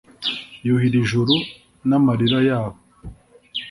yuhira ijuru n'amarira yabo,